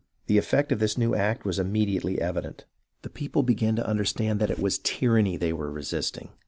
The effect of this new act was immediately evident. The people began to understand that it was tyranny they were resisting.